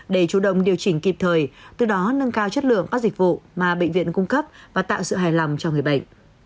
để chủ động điều chỉnh kịp thời từ đó nâng cao chất lượng các dịch vụ mà bệnh viện cung cấp và tạo sự hài lòng cho người bệnh